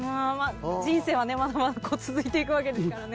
人生はまだまだ続いて行くわけですからね。